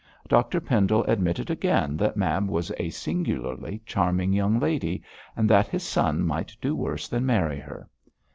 Dr Pendle admitted again that Mab was a singularly charming young lady, and that his son might do worse than marry her.